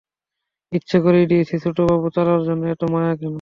ইচ্ছে করেই দিয়েছি ছোটবাবু, চারার জন্যে এত মায়া কেন?